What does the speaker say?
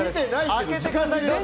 開けてください、どうぞ！